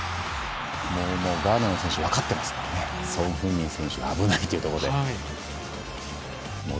ガーナの選手分かってますからソン・フンミン選手が危ないというところで。